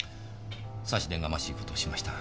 差し出がましいことをしました。